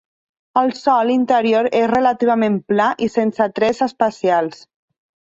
El sòl interior és relativament pla i sense trets especials.